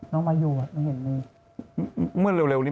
น้องมายูมึงเห็นมี